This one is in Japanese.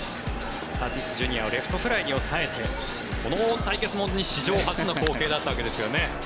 タティスＪｒ．をレフトフライに抑えてこの対決も史上初の光景だったわけですよね。